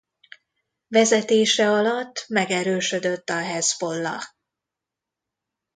Vezetése alatt megerősödött a Hezbollah.